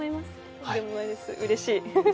とんでもないです、うれしい。